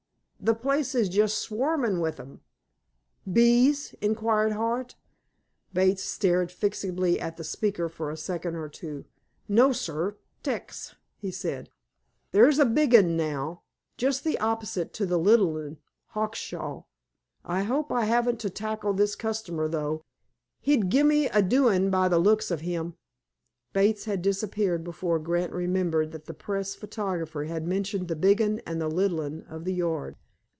The place is just swarmin' with 'em." "Bees?" inquired Hart. Bates stared fixedly at the speaker for a second or two. "No, sir, 'tecs," he said. "There's a big 'un now—just the opposite to the little 'un, Hawkshaw. I 'ope I 'aven't to tackle this customer, though. He'd gimme a doin', by the looks of 'im." Bates had disappeared before Grant remembered that the press photographer had mentioned the Big 'Un and the Little 'Un of the Yard.